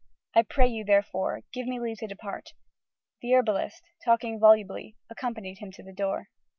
I pray you, therefore, give me leave to depart." The herbalist, talking volubly, accompanied him to the door.